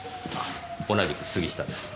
同じく杉下です。